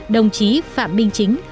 đồng chí phạm binh chính